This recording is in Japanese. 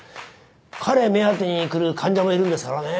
彼目当てに来る患者もいるんですからねぇ。